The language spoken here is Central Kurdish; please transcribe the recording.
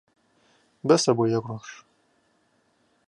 بەسە بۆ یەک ڕۆژ.